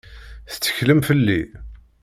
Tetteklem fell-i?